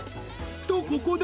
［とここで］